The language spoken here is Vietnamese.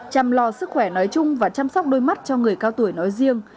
chăm lo sức khỏe nói chung và chăm sóc đôi mắt cho người cao tuổi nói riêng